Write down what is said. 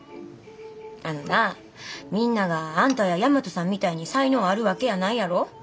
あのなあみんながあんたや大和さんみたいに才能あるわけやないやろ。